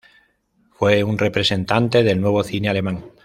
Fue un representante del Nuevo cine alemán.